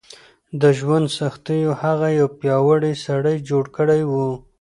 د ژوند سختیو هغه یو پیاوړی سړی جوړ کړی و.